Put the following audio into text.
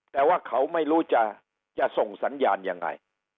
แต่ว่าเขาไม่รู้จะส่งสัญญาณยังไง